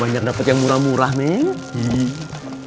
banyak dapet yang murah murah neng